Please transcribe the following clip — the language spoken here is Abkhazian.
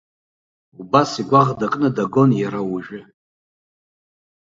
Убас игәаӷ дыкны дагон иара уажәы.